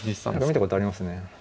見たことありますね。